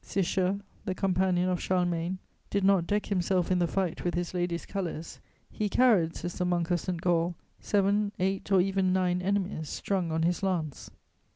Cisher, the companion of Charlemagne, did not deck himself in the fight with his lady's colours: "He carried," says the Monk of Saint Gall, "seven, eight, or even nine enemies strung on his lance."